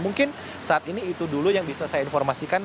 mungkin saat ini itu dulu yang bisa saya informasikan